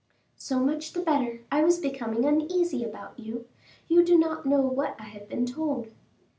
"So much the better; I was becoming uneasy about you. You do not know what I have been told."